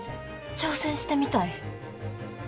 挑戦してみたい。